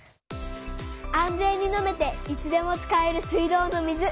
安全に飲めていつでも使える水道の水。